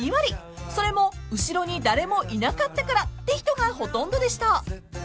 ［それも「後ろに誰もいなかったから」って人がほとんどでした］